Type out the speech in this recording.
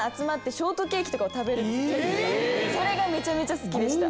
それがめちゃめちゃ好きでした。